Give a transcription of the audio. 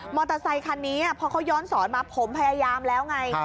อเตอร์ไซคันนี้พอเขาย้อนสอนมาผมพยายามแล้วไง